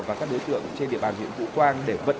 và các đối tượng trên địa bàn huyện vũ quang